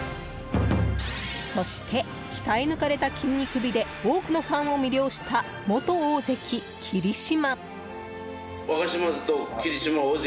そして、鍛え抜かれた筋肉美で多くのファンを魅了した元大関・霧島。